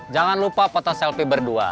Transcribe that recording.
jangan lupa foto selfie berdua